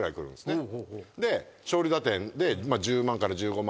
で勝利打点で１０万から１５万ぐらい。